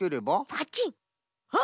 パチンあ！